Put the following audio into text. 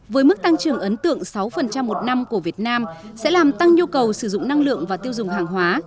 với mức tăng trưởng ấn tượng sáu một năm của việt nam sẽ làm tăng nhu cầu sử dụng năng lượng và tiêu dùng hàng hóa